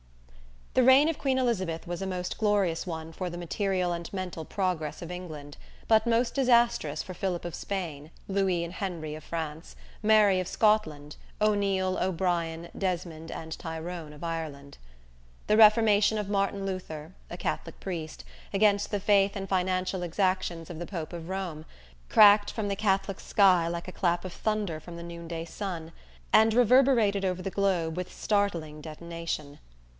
"_ The reign of Queen Elizabeth was a most glorious one for the material and mental progress of England, but most disastrous for Philip of Spain, Louis and Henry of France, Mary of Scotland, O'Neil, O'Brien, Desmond and Tyrone of Ireland. The Reformation of Martin Luther, a Catholic priest, against the faith and financial exactions of the Pope of Rome, cracked from the Catholic sky like a clap of thunder from the noonday sun, and reverberated over the globe with startling detonation.